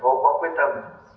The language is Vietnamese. phố có quyết tâm